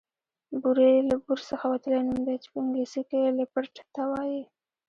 بوری له بور څخه وتلی نوم دی چې په انګليسي کې ليپرډ ته وايي